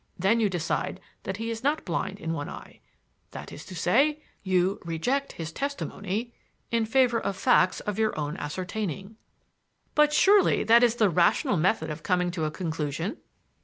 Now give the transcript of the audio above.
Then you decide that he is not blind in one eye; that is to say, you reject his testimony in favor of facts of your own ascertaining." "But surely that is the rational method of coming to a conclusion?"